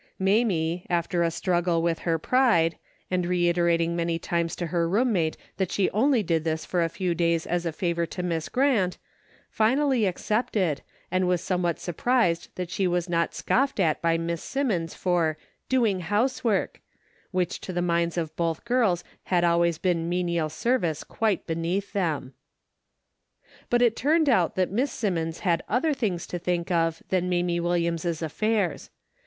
Mamie, after a struggle with her pride, and reiterating many times to her roommate that she only did this for a few days as a favor to Miss Grant, finally accepted, and was somewhat surprised that she was not scoffed at by Miss Simmons for " doing house work," which to the minds of both girls had always been menial service quite beneath them. But it turned out that Miss Simmons had other things to think of than Mamie Williams' affairs.